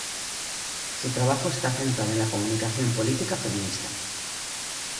Su trabajo está centrado en la comunicación política feminista.